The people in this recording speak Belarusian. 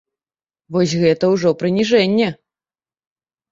Вось гэта ўжо прыніжэнне.